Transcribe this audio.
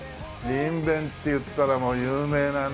にんべんっていったらもう有名なね。